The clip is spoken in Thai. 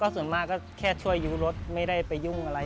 ส่วนมากก็ช่วยอยู่รถไม่ได้ไปยุ่งอะไรกับเขา